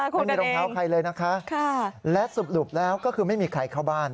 ค่ะคนกันเองค่ะแล้วสรุปแล้วก็คือไม่มีใครเข้าบ้าน